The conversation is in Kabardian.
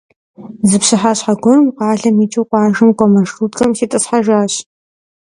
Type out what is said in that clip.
Зы пщыхьэщхьэ гуэрым къалэм икӀыу къуажэм кӀуэ маршруткэм ситӀысхьэжащ.